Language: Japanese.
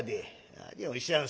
「何をおっしゃいます。